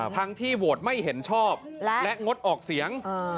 ที่โหวตไม่เห็นชอบและงดออกเสียง